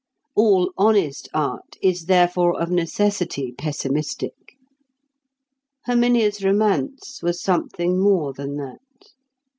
All honest art is therefore of necessity pessimistic. Herminia's romance was something more than that.